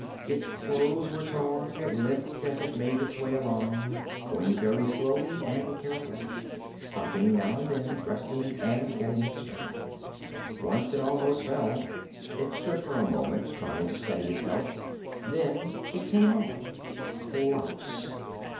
Its clothes were torn. It limped as it made its way along, going very slowly and carefully. Stopping now and then, resting and getting its strength. Once it almost fell. It stood for a moment, trying to steady itself. Then it came on. Klaus.